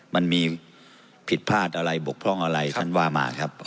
มันมีผิดพลาดอะไรบกพร่องอะไรท่านว่ามาครับ